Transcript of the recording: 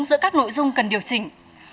giữa các nội dung cần điều chỉnh